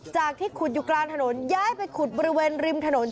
ที่ขุดอยู่กลางถนนย้ายไปขุดบริเวณริมถนน